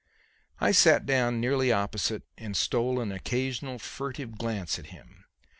I sat down nearly opposite and stole an occasional furtive glance at him.